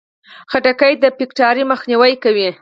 خټکی د فټکاري مخنیوی کوي.